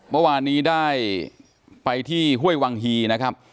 บรรณีได้ไปที่ห้วยวังฮีนะครับ